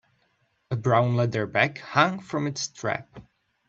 A brown leather bag hung from its strap.